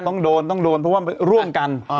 ต้องโดนต้องโดนเพราะว่าร่วมกัน